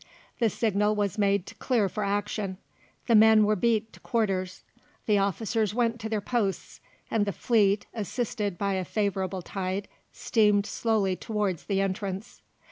The signal was made to clear for action; the men were beat to quarters; the officers went to their posts, and the fleet, assisted by a favourable tide, steamed slowly towards the entrance.